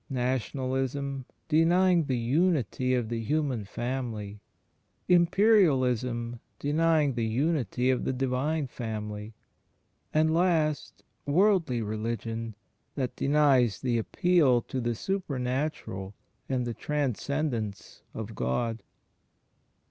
Nationalism, denying the imity of the Human Family; Imperialism, denying the imity of the Divine Family; and, last, Worldly Religion that denies the appeal to the supernatural and the Transcendence of God.